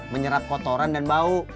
menyerap kotoran dan bau